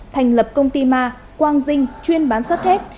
thành lập công ty ma quang dinh chuyên bán sắt thép